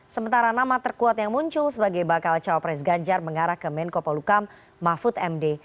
sementara nama terkuat yang muncul sebagai bakal cawapres ganjar mengarah ke menko polukam mahfud md